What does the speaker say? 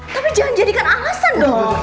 tapi jangan jadikan alasan dong